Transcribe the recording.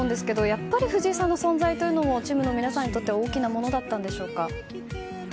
やっぱり藤井さんの存在というのもチームの皆さんにとって大きなものだったんでしょうか。